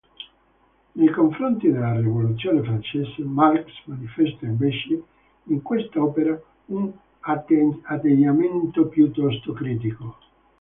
Nei confronti della Rivoluzione francese Marx manifesta invece, in quest'opera, un atteggiamento piuttosto critico.